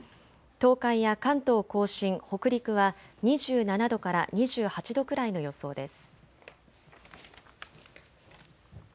東海や関東甲信、北陸は２７度から２８度くらいの予想です。